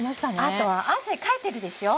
あと汗かいてるでしょ？